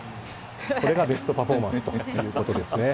これがベストパフォーマンスということですね。